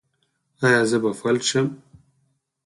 ایا زه به فلج شم؟